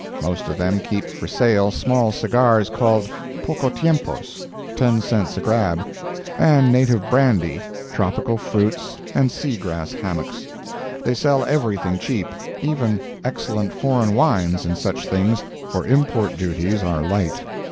Most of them keep for sale small cigars called "poco tiempos"—ten cents a grab—and native brandy, tropical fruits and sea grass hammocks. They sell everything cheap—even excellent foreign wines and such things, for import duties are light.